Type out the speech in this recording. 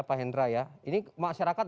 pak hendra ya ini masyarakat